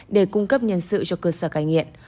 để cung cấp nhân sự cho cơ sở cai nghiện